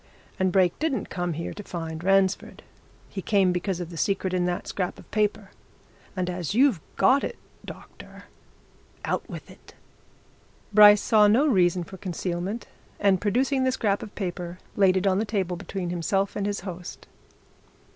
And Brake didn't come here to find Ransford. He came because of the secret in that scrap of paper. And as you've got it, doctor out with it!" Bryce saw no reason for concealment and producing the scrap of paper laid it on the table between himself and his host.